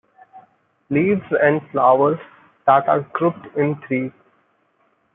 Leaves and flowers that are grouped in threes.